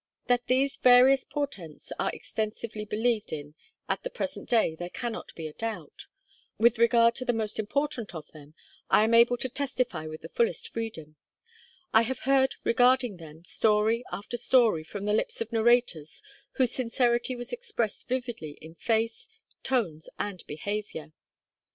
That these various portents are extensively believed in at the present day there cannot be a doubt; with regard to the most important of them, I am able to testify with the fullest freedom; I have heard regarding them story after story, from the lips of narrators whose sincerity was expressed vividly in face, tones, and behaviour.